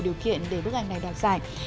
điều kiện để bức ảnh này đạt giải